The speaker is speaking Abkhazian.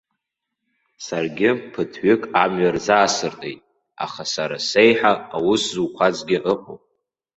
Саргьы ԥыҭҩык амҩа рзаасыртит, аха сара сеиҳа аус зуқәазгьы ыҟоуп.